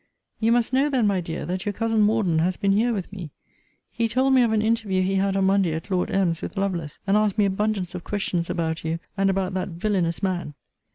You must know then, my dear, that your cousin Morden has been here with me. He told me of an interview he had on Monday at Lord M.'s with Lovelace; and asked me abundance of questions about you, and about that villanous man.